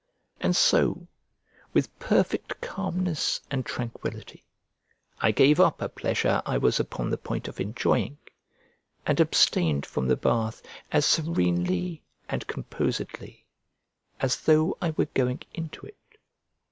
And so, with perfect calmness and tranquillity, I gave up a pleasure I was upon the point of enjoying, and abstained from the bath as serenely and composedly as though I were going into it.